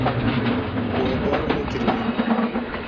We bar nekiriye.